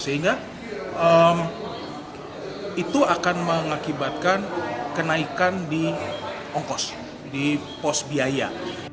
sehingga itu akan mengakibatkan kenaikan di ongkos di pos biaya